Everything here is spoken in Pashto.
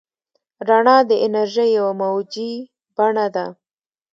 رڼا د انرژۍ یوه موجي بڼه ده.